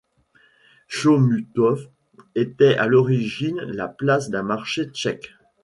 Chomutov était à l'origine la place d'un marché tchèque.